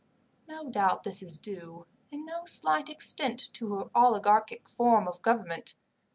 No doubt this is due, in no slight extent, to her oligarchic form of government.